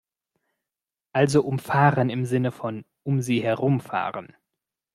Also umfahren im Sinne von "um sie herumfahren".